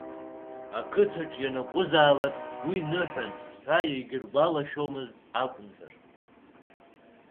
Ақыҭаҿ ианакәзаалак уи ныҳәан ҳәа иагьыргәалашәомызт акәымзар.